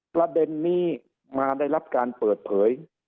ประเด็นนี้มาในรัฐการณ์เปิดเผย